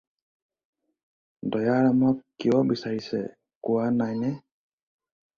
দয়াৰামক কিয় বিচাৰিছে কোৱা নাইনে?